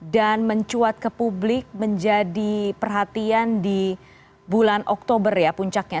dan mencuat ke publik menjadi perhatian di bulan oktober ya puncaknya